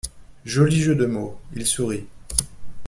Joli jeu de mots. Il sourit.